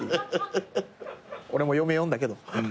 俺も嫁呼んだけど。